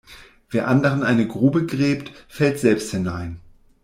Wer anderen eine Grube gräbt fällt selbst hinein.